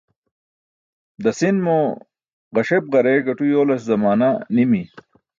Dasin mo ġasep-ġareey gaṭu yoolas zamaana nimi.